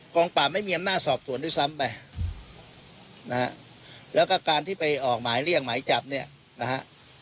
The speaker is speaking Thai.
งปราบไม่มีอำนาจสอบสวนด้วยซ้ำไปนะฮะแล้วก็การที่ไปออกหมายเรียกหมายจับเนี่ยนะฮะ